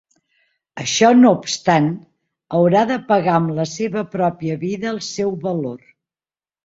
Això no obstant, haurà de pagar amb la seva pròpia vida el seu valor.